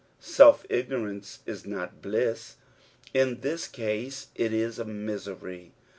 Self ignoraoce is not bliss ; ia this case it is niitery.